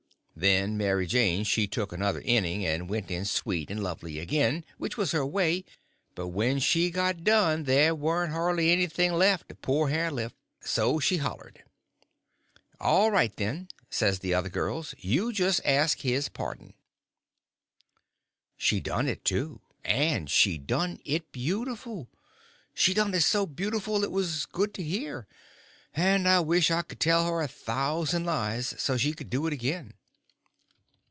Then Mary Jane she took another inning, and went in sweet and lovely again—which was her way; but when she got done there warn't hardly anything left o' poor Hare lip. So she hollered. "All right, then," says the other girls; "you just ask his pardon." She done it, too; and she done it beautiful. She done it so beautiful it was good to hear; and I wished I could tell her a thousand lies, so she could do it again.